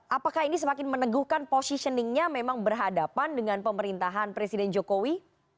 apakah ini semakin meneguhkan positioningnya memang berhadapan dengan pemerintahan presiden jokowi